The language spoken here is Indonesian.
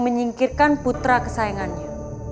menyingkirkan putra kesayangannya